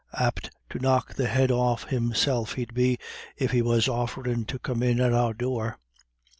Apt to knock the head off himself he'd be if he was offerin' to come in at our door."